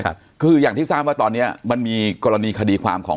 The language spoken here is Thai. ครับคืออย่างที่ทราบว่าตอนเนี้ยมันมีกรณีคดีความของ